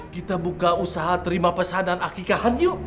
kita buka usaha terima pesanan akikahan yuk